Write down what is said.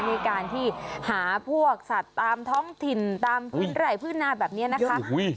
ในการที่หาพวกสัตว์ตามท้องถิ่นตามพื้นไหล่พื้นนาแบบนี้นะคะ